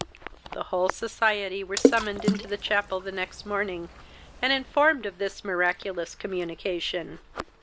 The whole society were summoned into the chapel the next morning, and informed of this miraculous communication.